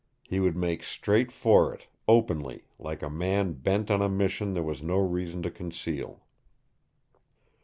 He would make straight for it, openly, like a man bent on a mission there was no reason to conceal.